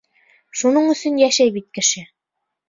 Шуның өсөн йәшәй бит кеше.